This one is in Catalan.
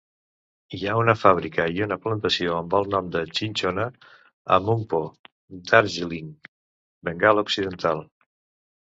Hi ha una fàbrica i una plantació amb el nom de Cinchona a Mungpoo, Darjeeling, Bengala Occidental.